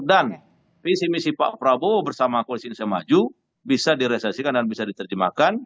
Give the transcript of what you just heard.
dan visi visi pak prabowo bersama kualitas indonesia maju bisa direalisasikan dan bisa diterjemahkan